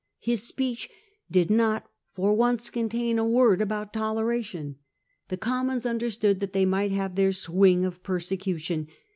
His speech did not for once contain a word about toleration. The Commons understood that they might have their swing of persecution.